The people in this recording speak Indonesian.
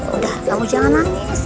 udah kamu jangan nangis